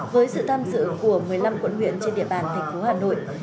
với sự tham dự của một mươi năm quận huyện trên địa bàn thành phố hà nội